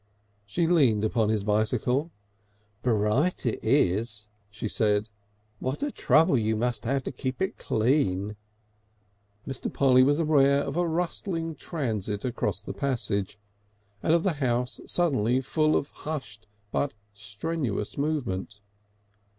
She leaned upon his bicycle. "Bright it is!" she said. "What a trouble you must have to keep it clean!" Mr. Polly was aware of a rustling transit along the passage, and of the house suddenly full of hushed but strenuous movement.